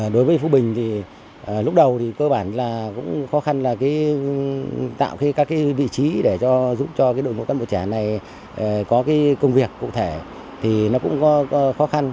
đối với phú bình thì lúc đầu thì cơ bản là cũng khó khăn là tạo các vị trí để giúp cho đội ngũ cán bộ trẻ này có cái công việc cụ thể thì nó cũng có khó khăn